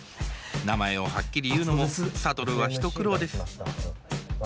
名前をはっきり言うのも諭は一苦労です。